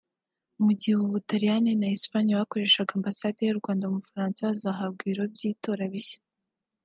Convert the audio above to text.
mu gihe u Butaliyani na Espagne bakoreshaga Ambasade y’u Rwanda mu Bufaransa bazahabwa ibiro by’itora bishya